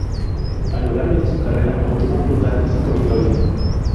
A lo largo de su carrera obtuvo un total de cinco victorias.